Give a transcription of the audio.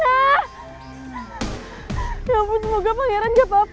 ya ampun semoga pangeran gak apa apa